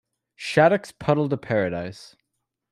Shadduck's "Puddle to Paradise".